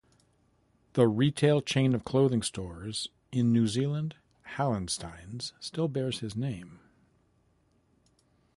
The retail chain of clothing stores in New Zealand, Hallensteins, still bears his name.